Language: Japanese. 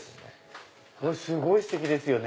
すごいステキですよね。